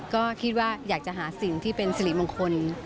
ก็คิดว่าอยากจะหาสิ่งที่เป็นสิริมงคล